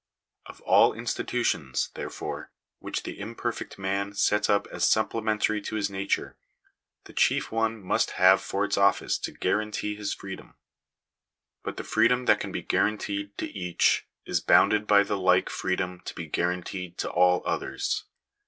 Of all institutions, therefore, which the imperfect man sets up as supplementary to his nature, the chief one must have for its office to guarantee his freedom. But the freedom that can be guaranteed to each is bounded by Digitized by VjOOQIC THE DUTY OF THE STATE. 253 the like freedom to be guaranteed to all others.